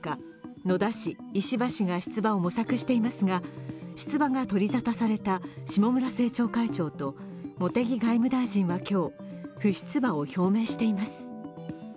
野田氏、石破氏が、出馬を模索していますが出馬が取りざたされた下村政調会長と茂木外務大臣は今日、不出馬を表明しています。